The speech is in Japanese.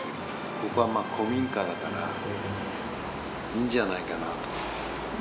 ここは古民家だから、いいんじゃないかなと。